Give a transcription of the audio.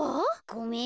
ごめん。